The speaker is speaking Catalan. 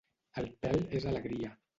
El pèl és alegria.